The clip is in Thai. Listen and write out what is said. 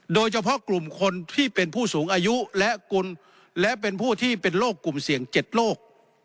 โดยเฉพาะกลุ่มคนที่เป็นผู้สูงอายุและกุลและเป็นผู้ที่เป็นโรคกลุ่มเสี่ยง๗โรค